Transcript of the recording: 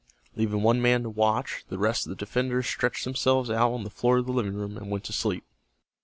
Leaving one man to watch, the rest of the defenders stretched themselves out on the floor of the living room and went to sleep.